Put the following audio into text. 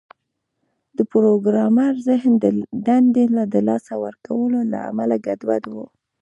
د پروګرامر ذهن د دندې د لاسه ورکولو له امله ګډوډ و